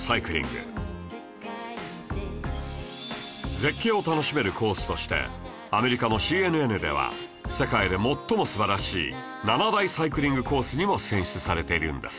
絶景を楽しめるコースとしてアメリカの ＣＮＮ では世界で最も素晴らしい７大サイクリングコースにも選出されているんです